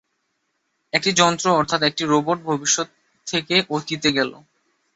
একটি যন্ত্র অর্থাৎ একটি রোবট ভবিষ্যত থেকে অতীতে গেল!